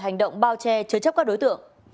hành động bao che chớ chấp các đối tượng